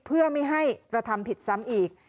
เพื่อไม่ให้กระทำผิดซ้ำอีก